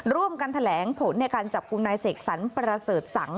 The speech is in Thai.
ร่วมกันแถลงผลในการจับกลุ่มนายเสกสรรประเสริฐสัง